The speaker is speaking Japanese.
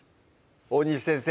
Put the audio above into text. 大西先生